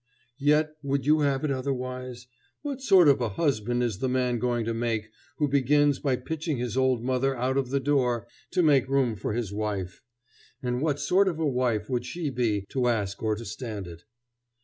Yet, would you have it otherwise? What sort of a husband is the man going to make who begins by pitching his old mother out of the door to make room for his wife? And what sort of a wife would she be to ask or to stand it?